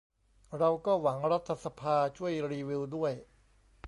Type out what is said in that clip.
เราก็หวังรัฐสภาช่วยรีวิวด้วย